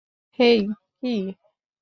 হেই, কী?